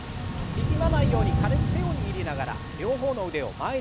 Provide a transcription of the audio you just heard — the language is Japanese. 力まないように軽く手を握りながら両方の腕を前に上げて。